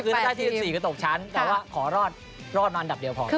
คือถ้าได้ที่๑๔คือตกชั้นแต่ว่าขอรอดมาอันดับเดียวพอ